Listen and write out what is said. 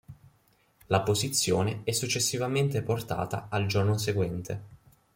La posizione è successivamente portata al giorno seguente.